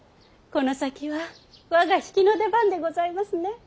この先は我が比企の出番でございますね。